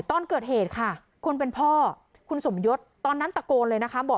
ตอนเกิดเหตุค่ะคนเป็นพ่อคุณสมยศตอนนั้นตะโกนเลยนะคะบอก